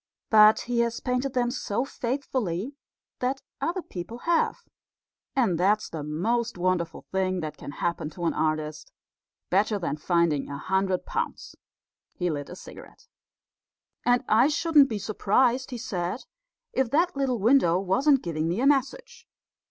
But he has painted them so faithfully that other people have; and that's the most wonderful thing that can happen to an artist better than finding a hundred pounds." He lit a cigarette. "And I shouldn't be surprised," he said, "if that little window wasn't giving me a message.